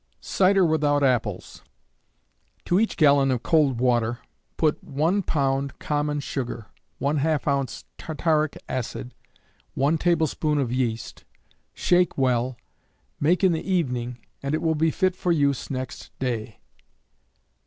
Cider Without Apples. To each gallon of cold water, put 1 lb. common sugar, ½ oz. tartaric acid, 1 tablespoonful of yeast, shake well, make in the evening, and it will be fit for use next day.